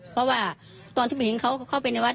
เพราะว่าตอนที่ผู้หญิงเขาเข้าไปในวัด